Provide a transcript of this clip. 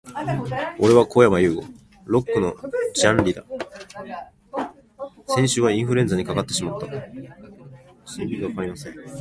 俺はこやまゆうご。Lock のジャンリだ。先週はインフルエンザにかかってしまった、、、